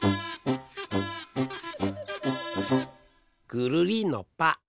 ぐるりんのぱ。